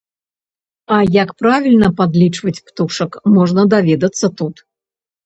А як правільна падлічваць птушак можна даведацца тут.